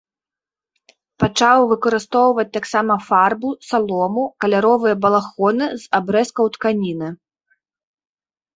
Пачаў выкарыстоўваць таксама фарбу, салому, каляровыя балахоны з абрэзкаў тканіны.